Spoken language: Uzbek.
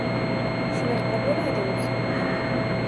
Shunaqa bo‘ladi o‘zi.